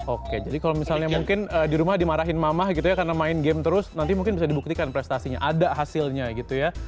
oke jadi kalau misalnya mungkin di rumah dimarahin mamah gitu ya karena main game terus nanti mungkin bisa dibuktikan prestasinya ada hasilnya gitu ya